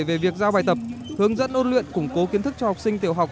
về việc giao bài tập hướng dẫn ôn luyện củng cố kiến thức cho học sinh tiểu học